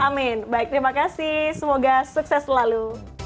amin baik terima kasih semoga sukses selalu